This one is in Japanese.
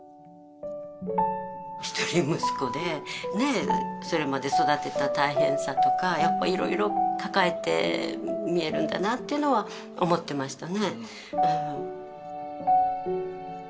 一人息子でそれまで育てた大変さとかいろいろ抱えてみえるんだなっていうのは思ってましたね